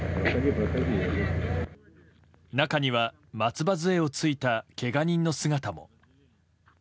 中には松葉づえをついたけが人の姿も。